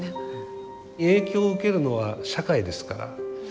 影響を受けるのは社会ですから。